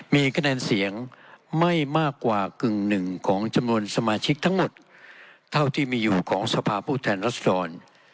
มีคะแนนเสียงไม่มากกว่ากึ่งหนึ่งของจำนวนสมาชิกทั้งหมดเท่าที่มีอยู่ของสภาพผู้แทนรัศดร